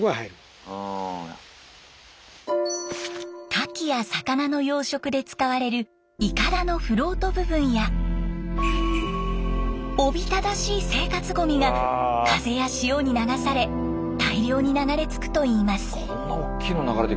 カキや魚の養殖で使われるいかだのフロート部分やおびただしい生活ゴミが風や潮に流され大量に流れつくといいます。